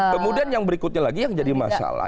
kemudian yang berikutnya lagi yang jadi masalah